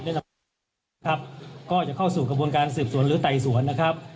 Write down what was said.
แน่นอนครับก็จะเข้าสู่กระบวนการสืบสวนหรือไต่สวนนะครับ